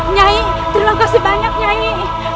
nyai terima kasih banyak nyanyi